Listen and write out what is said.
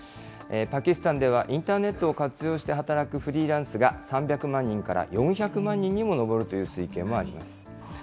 パキスタンでは活用して働くフリーランスが３００万人から４００万人にも上るという推計もあります。